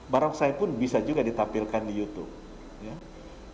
barongsai pun bisa juga ditampilkan di youtube